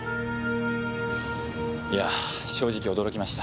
いや正直驚きました。